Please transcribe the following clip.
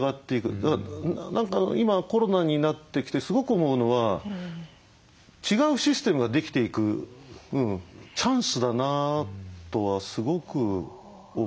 何か今コロナになってきてすごく思うのは違うシステムができていくチャンスだなとはすごく思うんですよね。